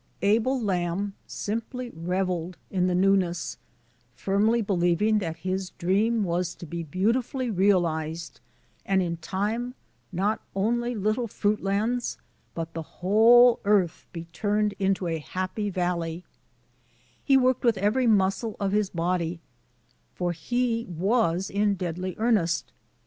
Abel Lamb simply revelled in the Newness, firmly believing that his dream was to be beauti Digitized by VjOOQ IC i63 BRONSON ALCOTT'S FRUITLANDS fully realized and in time not only little Fruit lands, but the whole earth, be turned into a Happy Valley. He worked with evAy muscle of his body, for he was in deadly earnest.